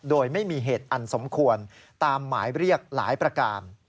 โดยไม่มีเหตุอันสมควรตามหมายเรียกหลายประการ